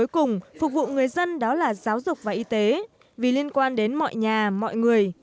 cùng phục vụ người dân đó là giáo dục và y tế vì liên quan đến mọi nhà mọi người